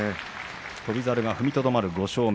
翔猿、踏みとどまる５勝目。